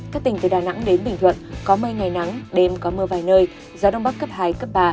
các tỉnh từ đà nẵng đến bình thuận có mây ngày nắng đêm có mưa vài nơi gió đông bắc cấp hai cấp ba